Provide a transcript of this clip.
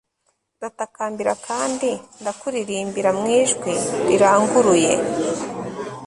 Ndatakambira kandi ndakuririmbira mu ijwi riranguruye